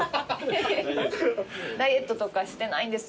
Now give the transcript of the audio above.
ダイエットとかしてないんですよ